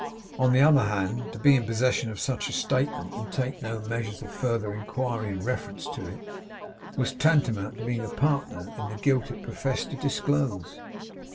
On the other hand to be in possession of such a statement, and take no measures of further inquiry in reference to it, was tantamount to being a partner in the guilt it professed to disclose.